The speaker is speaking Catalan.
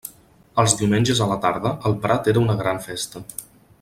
Els diumenges a la tarda, el prat era una gran festa.